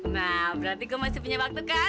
nah berarti gue masih punya waktu kan